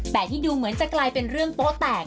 แต่ที่ดูเหมือนจะกลายเป็นเรื่องโป๊แตก